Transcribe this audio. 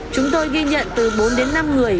chúng tôi ghi nhận từ bốn đến năm người